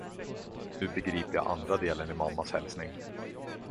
Nu begriper jag andra delen i mammas hälsning.